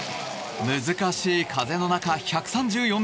難しい風の中、１３４ｍ。